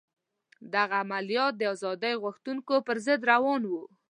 دغه عملیات د ازادي غوښتونکو پر ضد روان وو.